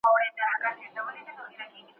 تاسې باید د طبیعت درناوی وکړئ.